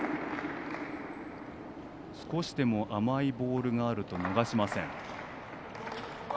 少しでも甘いボールがあると逃しません。